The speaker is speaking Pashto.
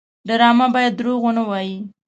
ډرامه باید دروغ ونه وایي